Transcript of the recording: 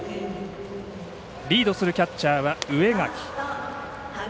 リードするキャッチャーは植垣。